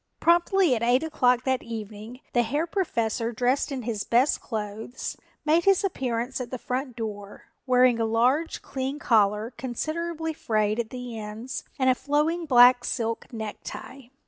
Promptly at eight o'clock that evening the Herr Professor, dressed in his best clothes, made his appearance at the front door, wearing a large clean collar considerably frayed at the ends and a flowing black silk necktie.